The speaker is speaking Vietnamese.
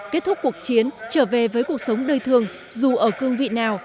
kết thúc cuộc chiến trở về với cuộc sống đời thường dù ở cương vị nào